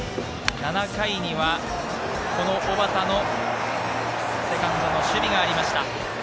７回には小幡のセカンドの守備がありました。